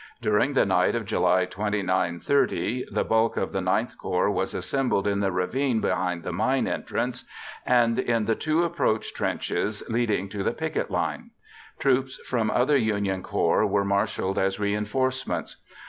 During the night of July 29 30, the bulk of the IX Corps was assembled in the ravine behind the mine entrance and in the two approach trenches leading to the picket line. Troops from other Union corps were marshalled as reinforcements.